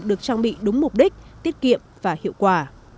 được trang bị đúng mục đích tiết kiệm và hiệu quả